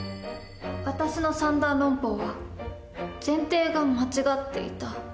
私の三段論法は前提が間違っていた。